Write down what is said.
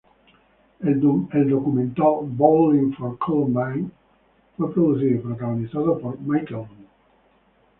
El documental "Bowling for Columbine" fue producido y protagonizado por Michael Moore.